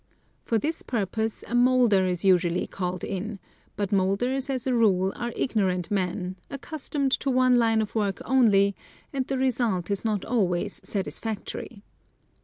For this purpose a moulder is usually called in ; but moulders as a rule are ignorant men, accustomed to one line of work only, and the result is not always satisfactory.